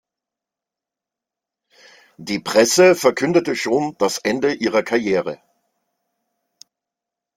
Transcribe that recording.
Die Presse verkündete schon das Ende ihrer Karriere.